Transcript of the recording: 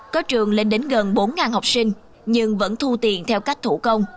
có trường lên đến gần bốn học sinh nhưng vẫn thu tiền theo cách thủ công